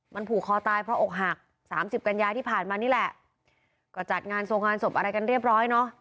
มันผูกคอตายเพราะอกหักสามสิบกัญญาที่ผ่านมานี่แหละก็จัดงานทรงงานศพอะไรกันเรียบร้อยเนอะ